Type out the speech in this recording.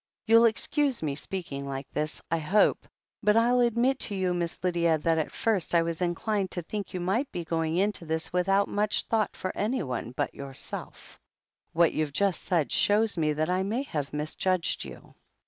You'll ex cuse me speaking like this, I hope, but Til admit to you. Miss Lydia, that at first I was inclined to think you might be going into this without much thought for anyone but yourself. What you've just said shows me that I may have misjudged you."